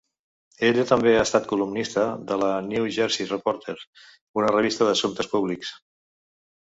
Ella també ha estat columnista de la "New Jersey Reporter", una revista d'assumptes públics.